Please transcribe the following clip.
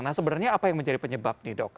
nah sebenarnya apa yang menjadi penyebab nih dok